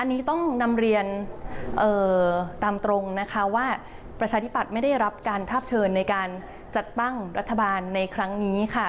อันนี้ต้องนำเรียนตามตรงนะคะว่าประชาธิปัตย์ไม่ได้รับการทาบเชิญในการจัดตั้งรัฐบาลในครั้งนี้ค่ะ